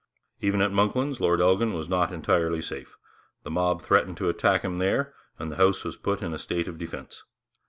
Even at 'Monklands' Lord Elgin was not entirely safe. The mob threatened to attack him there, and the house was put in a state of defence.